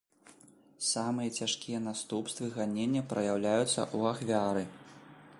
Самыя цяжкія наступствы ганення праяўляюцца ў ахвяры.